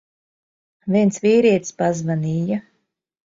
Viens vīrietis pazvanīja.